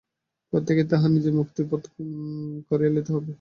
প্রত্যেককেই তাহার নিজের মুক্তির পথ করিয়া লইতে হইবে।